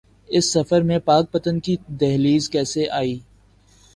اس سفر میں پاک پتن کی دہلیز کیسے آئی؟